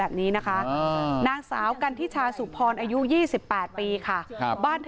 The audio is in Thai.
แบบนี้นะคะนางสาวกันทิชาสุพรอายุ๒๘ปีค่ะบ้าน